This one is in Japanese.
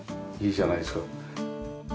いいじゃないですか。